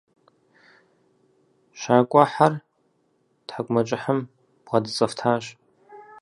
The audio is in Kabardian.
Щакӏуэхьэр тхьэкӏумэкӏыхьым бгъэдэцӏэфтащ.